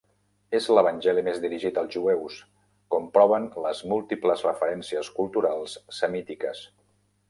És l'evangeli més dirigit als jueus, com proven les múltiples referències culturals semítiques.